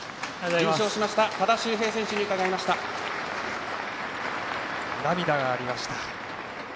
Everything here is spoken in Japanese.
優勝しました多田修平選手に涙がありました。